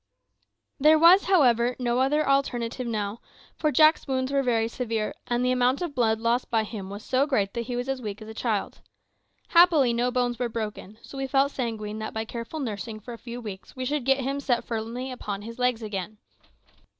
There was, however, no other alternative now; for Jack's wounds were very severe, and the amount of blood lost by him was so great that he was as weak as a child. Happily, no bones were broken, so we felt sanguine that by careful nursing for a few weeks we should get him set firmly upon his legs again.